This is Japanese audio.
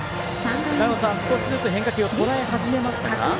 少しずつ変化球をとらえ始めましたか。